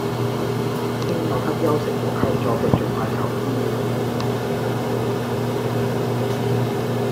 應立刻休息和求助，並盡快求醫